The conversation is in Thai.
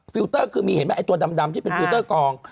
เตอร์คือมีเห็นไหมไอ้ตัวดำที่เป็นฟิลเตอร์กอง